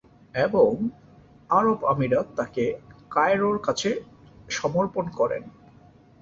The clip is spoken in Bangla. এবং আরব আমিরাত তাকে কায়রোর কাছে সমর্পণ করেন।